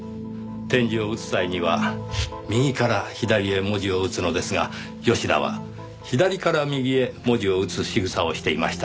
点字を打つ際には右から左へ文字を打つのですが吉田は左から右へ文字を打つしぐさをしていました。